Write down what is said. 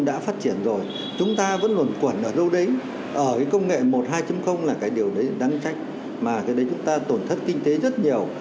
đáng trách mà cái đấy chúng ta tổn thất kinh tế rất nhiều